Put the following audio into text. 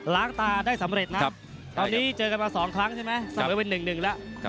ล้างตาได้สำเร็จนะครับตอนนี้เจอกันมาสองครั้งใช่ไหมสำเร็จเป็นหนึ่งแล้ว